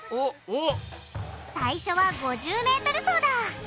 最初は５０ｍ走だ！